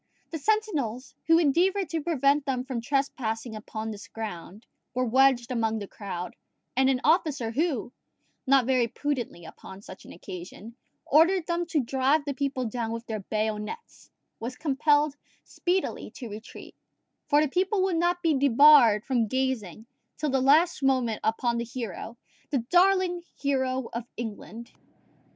The sentinels, who endeavoured to prevent them from trespassing upon this ground, were wedged among the crowd; and an officer who, not very prudently upon such an occasion, ordered them to drive the people down with their bayonets, was compelled speedily to retreat; for the people would not be debarred from gazing till the last moment upon the hero the darling hero of England!